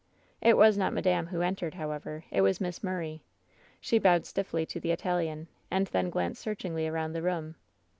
"It was not madame who entered, however; it was Miss Murray. "She bowed stiffly to the Italian, and then glanced searchingly around the room.